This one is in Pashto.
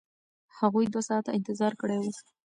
هغوی دوه ساعته انتظار کړی و.